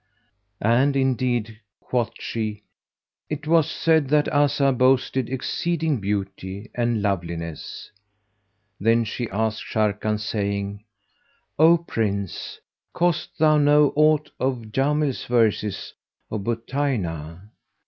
"And indeed," quoth she, "'twas said that Azzah boasted exceeding beauty and loveliness." Then she asked Sharrkan saying, "O Prince, dost thou know aught of Jamíl's[FN#194] verses to Buthaynah?